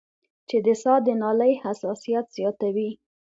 چې د ساه د نالۍ حساسيت زياتوي